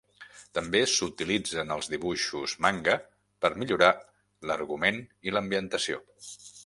També s"utilitzen els dibuixos manga per millorar l"argument i l"ambientació.